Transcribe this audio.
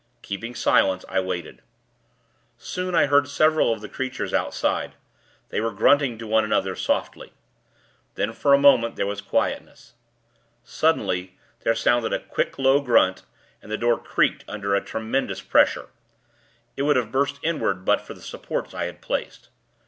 Keeping silence, I waited. Soon, I heard several of the creatures outside. They were grunting to one another, softly. Then, for a minute, there was quietness. Suddenly, there sounded a quick, low grunt, and the door creaked under a tremendous pressure. It would have burst inward; but for the supports I had placed.